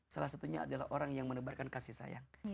salah satunya adalah orang yang menebarkan kasih sayang